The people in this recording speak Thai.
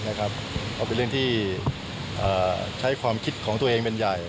เอาเป็นเรื่องที่ใช้ความคิดของตัวเองเป็นใหญ่